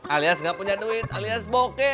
alias gak punya duit alias bokeh